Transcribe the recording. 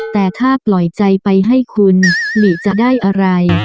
แต่ถ้าปล่อยใจไปให้คุณหลีจะได้อะไร